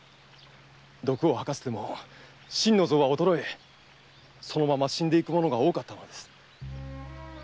毒を吐かせても心の臓が衰えそのまま死んでいく者が多かったのです。